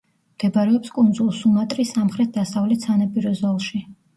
მდებარეობს კუნძულ სუმატრის სამხრეთ-დასავლეთ სანაპირო ზოლში.